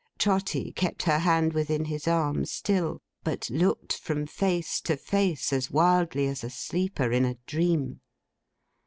Trotty kept her hand within his arm still, but looked from face to face as wildly as a sleeper in a dream.